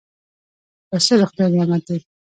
پسه د خدای نعمت دی.